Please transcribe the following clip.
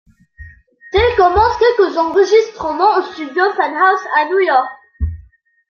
Teel commence quelques enregistrements aux studios Fun House à New York.